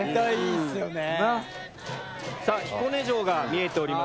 さあ彦根城が見えております。